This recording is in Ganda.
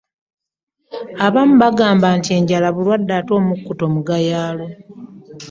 Abamu bangamba enjala bulwaddde ate omukutto mugayaalo .